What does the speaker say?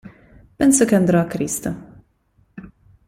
Penso che andrò a Cristo".